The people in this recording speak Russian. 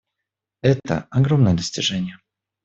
Это — огромное достижение.